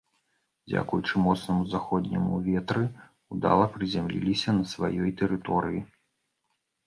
Дзякуючы моцнаму заходняму ветры ўдала прызямліліся на сваёй тэрыторыі.